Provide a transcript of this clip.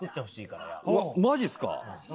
マジっすか？